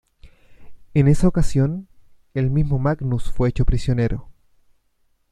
En esa ocasión, el mismo Magnus fue hecho prisionero.